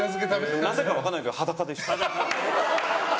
なぜか分からないですけど裸でした。